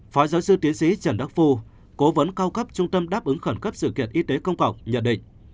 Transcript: phó giáo sư tiến sĩ trần đắc phu cố vấn cao cấp trung tâm đáp ứng khẩn cấp sự kiện y tế công cộng nhận định